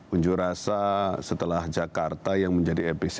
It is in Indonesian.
unjuk rasa setelah jakarta yang menjadi episode